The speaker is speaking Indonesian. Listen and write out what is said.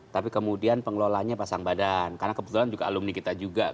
tapi kemudian pengelolanya pasang badan karena kebetulan juga alumni kita juga